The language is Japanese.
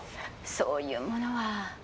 そういうものは。